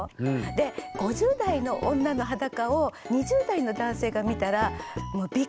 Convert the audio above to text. で５０代の女の裸を２０代の男性が見たらもうそうなの？